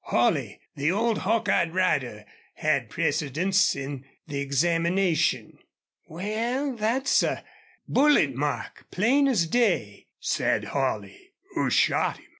Holley, the old hawk eyed rider, had precedence in the examination. "Wal, thet's a bullet mark, plain as day," said Holley. "Who shot him?"